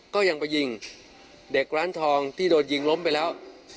ก็ยังไปยิงเด็กร้านทองที่โดนยิงล้มไปแล้ว